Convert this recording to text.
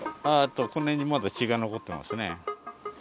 このへんにまだ血が残ってますね。